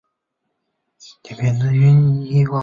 伯牛与冉雍同宗。